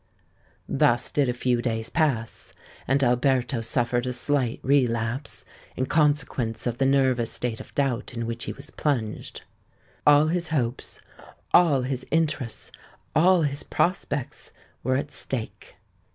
Thus did a few days pass; and Alberto suffered a slight relapse, in consequence of the nervous state of doubt in which he was plunged. All his hopes—all his interests—all his prospects were at stake.